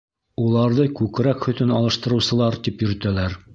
Уларҙы «күкрәк һөтөн алыштырыусылар» тип йөрөтәләр.